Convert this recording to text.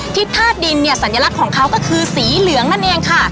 ธาตุดินเนี่ยสัญลักษณ์ของเขาก็คือสีเหลืองนั่นเองค่ะ